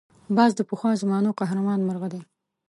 باز د پخوا زمانو قهرمان مرغه دی